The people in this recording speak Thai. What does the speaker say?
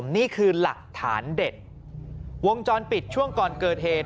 นี่คือหลักฐานเด็ดวงจรปิดช่วงก่อนเกิดเหตุ